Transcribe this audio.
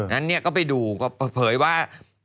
นั้นก็ไปดูเผยว่า